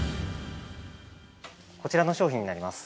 ◆こちらの商品になります。